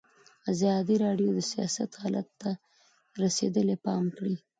ازادي راډیو د سیاست حالت ته رسېدلي پام کړی.